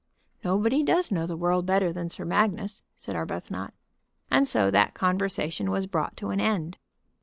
"Nobody does know the world better than Sir Magnus," said Arbuthnot. And so that conversation was brought to an end.